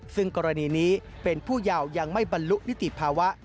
ซึ่งกรณีนี้เป็นผู้เยาว์ยังไม่บรรลุนิติภาวะ